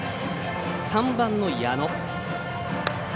３番の矢野。